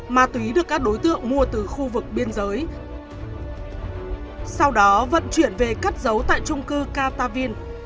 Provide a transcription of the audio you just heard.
ma túy được các đối tượng mua từ khu vực biên giới sau đó vận chuyển về cất giấu tại trung cư katavin